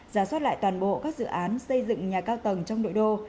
giả soát lại toàn bộ các dự án xây dựng nhà cao tầng trong nội đô